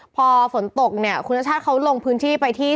พอฝนตกคุณชชาติเขาลงพื้นที่ไปที่